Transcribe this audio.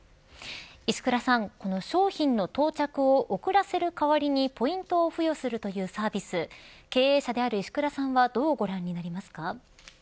石倉さん、商品の到着を遅らせる代わりにポイントを付与するというサービス経営者である石倉さんはどうご覧になりますか。